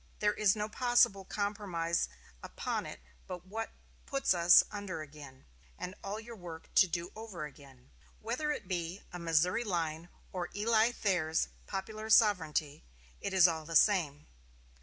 There is no possible compromise upon it but what puts us under again, and all our work to do over again. Whether it be a Missouri line or Eli Thayer's popular sovereignty, it is all the same.